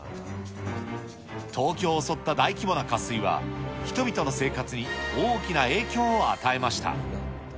東京を襲った大規模な渇水は人々の生活に大きな影響を与えました。